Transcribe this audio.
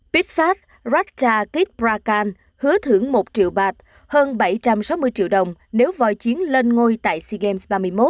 pitfat ratchakit prakal hứa thưởng một triệu bát hơn bảy trăm sáu mươi triệu đồng nếu vòi chiến lên ngôi tại sea games ba mươi một